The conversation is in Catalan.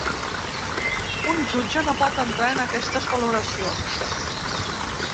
Un jutge no pot entrar en aquestes valoracions.